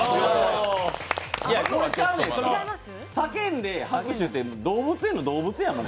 叫んで拍手て、動物園の動物やん。